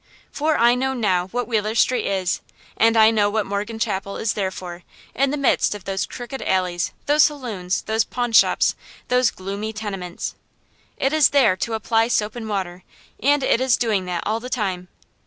For I know now what Wheeler Street is, and I know what Morgan Chapel is there for, in the midst of those crooked alleys, those saloons, those pawnshops, those gloomy tenements. It is there to apply soap and water, and it is doing that all the time.